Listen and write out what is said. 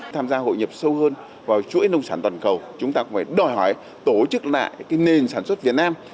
tham gia hội nhập sâu hơn vào chuỗi nông sản toàn cầu chúng ta cũng phải đòi hỏi tổ chức lại nền sản xuất việt nam